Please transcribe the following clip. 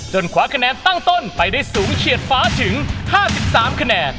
คว้าคะแนนตั้งต้นไปได้สูงเฉียดฟ้าถึง๕๓คะแนน